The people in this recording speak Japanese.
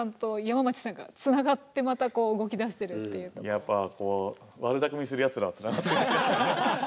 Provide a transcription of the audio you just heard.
やっぱ悪だくみするやつらはつながっていくんですかね。